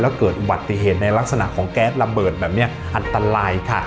แล้วเกิดอุบัติเหตุในลักษณะของแก๊สระเบิดแบบนี้อันตรายค่ะ